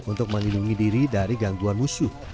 untuk melindungi diri dari gangguan musuh